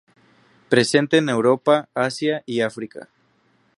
Presente en Europa, Asia y África.